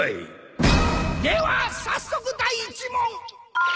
では早速第１問！